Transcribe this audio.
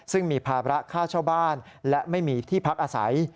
ซึ่งมีภาระค่าเช่าบ้านและไม่มีที่พักอาศัย